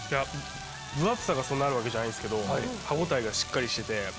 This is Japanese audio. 分厚さがそんなあるわけじゃないんすけど歯応えがしっかりしてて。